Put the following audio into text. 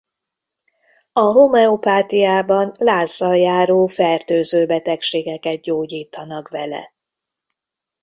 A homeopátiában lázzal járó fertőző betegségeket gyógyítanak vele.